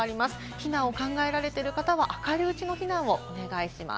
避難を考えられている方は明るいうちの避難をお願いします。